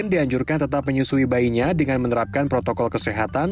dianjurkan tetap menyusui bayinya dengan menerapkan protokol kesehatan